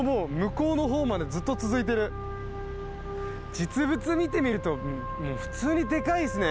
実物見てみると普通にでかいですね。